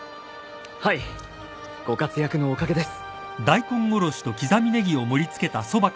はいご活躍のおかげです。